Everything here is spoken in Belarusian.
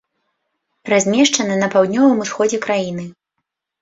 Размешчана на паўднёвым усходзе краіны.